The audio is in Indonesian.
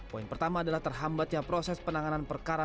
poin pertama adalah terhambatnya proses penanganan perkara